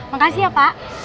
makasih ya pak